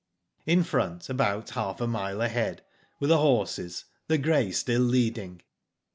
*' In front, about half a mile ahead, were the horses, the grey still leading.